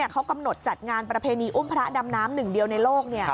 เขากำหนดจัดงานประเพณีอุ้มพระดำน้ำหนึ่งเดียวในโลก